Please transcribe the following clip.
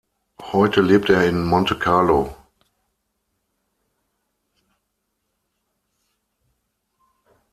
Heute lebt er in Monte Carlo.